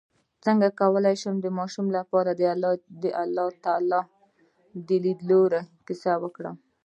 څنګه کولی شم د ماشومانو لپاره د الله تعالی لیدلو کیسه وکړم